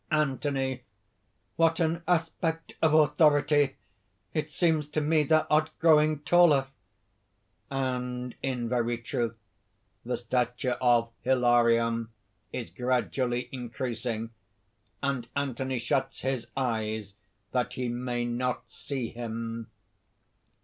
ANTHONY. "What an aspect of authority! It seems to me thou art growing taller...." (_And, in very truth, the stature of Hilarion is gradually increasing; and Anthony shuts his eyes, that he may not see him.